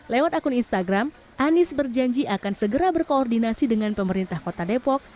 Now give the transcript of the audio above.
lewat akun instagram anies berjanji akan segera berkoordinasi dengan pemerintah kota depok